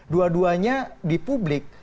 dua duanya di publik